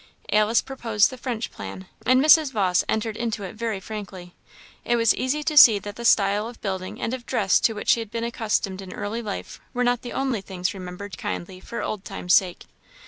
Alice proposed the French plan, and Mrs. Vawse entered into it very frankly; it was easy to see that the style of building and of dress to which she had been accustomed in early life were not the only things remembered kindly for old times' sake.